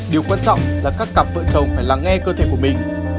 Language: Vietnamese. điều quan trọng là các cặp vợ chồng phải lắng nghe cơ thể của mình